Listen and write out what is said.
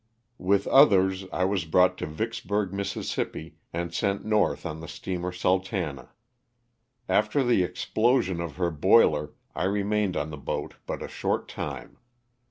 With others I was brought to Vicksburg, Miss., and sent north on the steamer '^Sultana." After the explosion of her boiler I remained on the boat but a short time.